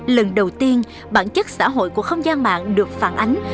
lần đầu tiên bản chất xã hội của không gian mạng được phản ánh